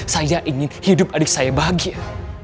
saya ingin hidup adik saya bahagia